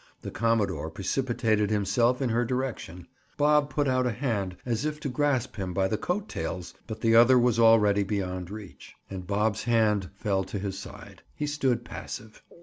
The commodore precipitated himself in her direction. Bob put out a hand as if to grasp him by the coat tails, but the other was already beyond reach and Bob's hand fell to his side. He stood passive.